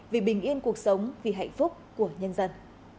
vì bình yên cuộc sống vì hạnh phúc của nhân dân